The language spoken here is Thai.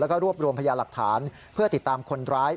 แล้วก็รวบรวมพยาหลักฐานเพื่อติดตามคนร้าย